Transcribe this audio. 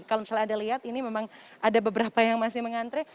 kalau misalnya anda lihat ini memang ada beberapa yang masih mengantre